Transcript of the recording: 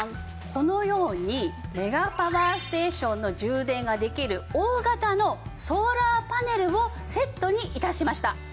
このようにメガパワーステーションの充電ができる大型のソーラーパネルをセットに致しました。